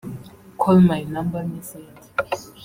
“Call My Number” n’izindi